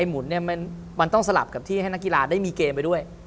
หมุนเนี่ยมันต้องสลับกับที่ให้นักกีฬาได้มีเกมไปด้วย